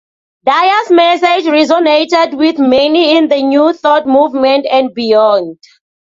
Dyer's message resonated with many in the New Thought Movement and beyond.